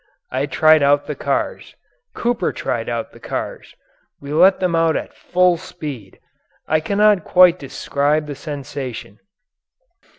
I tried out the cars. Cooper tried out the cars. We let them out at full speed. I cannot quite describe the sensation.